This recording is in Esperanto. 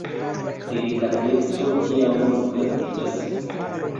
Delikateco tia nun perdiĝas.